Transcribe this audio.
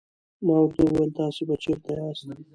ما ورته وویل: تاسې به چیرې یاست؟